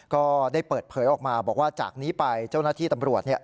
ก็ได้เปิดเผยออกมาบอกว่าจากนี้ไปเจ้าหน้าที่ตำรวจเนี่ย